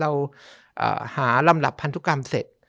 เราหาลำดับพันธุกรรมเสร็จ